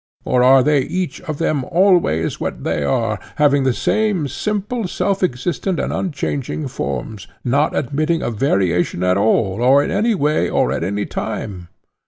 or are they each of them always what they are, having the same simple self existent and unchanging forms, not admitting of variation at all, or in any way, or at any time?